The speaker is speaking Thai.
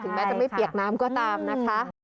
แม้จะไม่เปียกน้ำก็ตามนะคะ